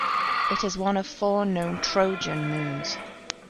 It is one of four known trojan moons.